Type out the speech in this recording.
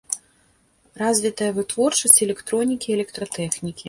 Развітая вытворчасць электронікі і электратэхнікі.